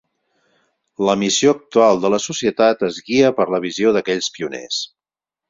La missió actual de la Societat es guia per la visió d'aquells pioners.